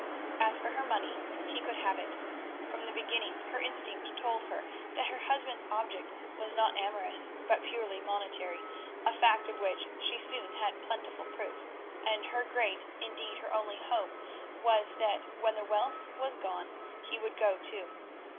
As for her money, he could have it. From the beginning her instinct told her that her husband's object was not amorous, but purely monetary, a fact of which she soon had plentiful proof, and her great, indeed her only hope was that when the wealth was gone he would go too.